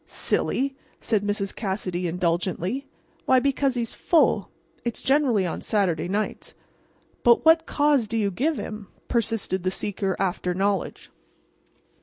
"Silly!" said Mrs. Cassidy, indulgently. "Why, because he's full. It's generally on Saturday nights." "But what cause do you give him?" persisted the seeker after knowledge.